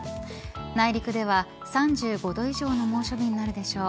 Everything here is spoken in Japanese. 内陸では３５度以上の猛暑日になるでしょう。